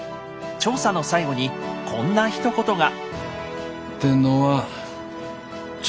調査の最後にこんなひと言が。